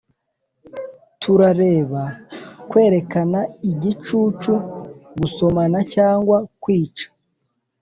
turareba kwerekana igicucu gusomana cyangwa kwica